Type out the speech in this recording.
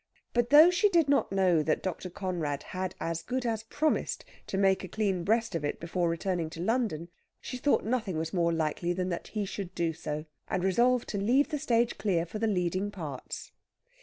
But though she did not know that Dr. Conrad had as good as promised to make a clean breast of it before returning to London, she thought nothing was more likely than that he should do so, and resolved to leave the stage clear for the leading parts.